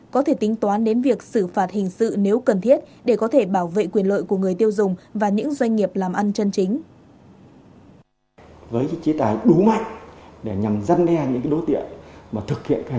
có thể tính toán đến việc xử phạt hình sự nếu cần thiết để có thể bảo vệ quyền lợi của người tiêu dùng và những doanh nghiệp làm ăn chân chính